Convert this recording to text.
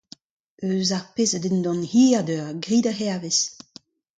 Eus ar pezh a denn d'an hirder, grit a-hervez.